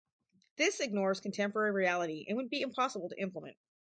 This ignores contemporary reality and would be impossible to implement.